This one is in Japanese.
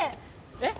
えっ？